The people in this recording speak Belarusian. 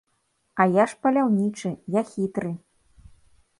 А я ж паляўнічы, я хітры.